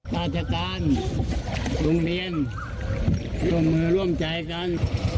ราชการโรงเรียนร่วมมือร่วมใจกัน